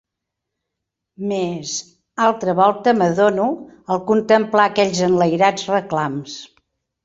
Mes… altra volta m'adono, al contemplar aquells enlairats reclams